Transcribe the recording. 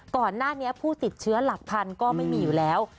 ก่อนหน้านี้ผู้ติดเชื้อหลักพันก็ไม่มีอยู่แล้ว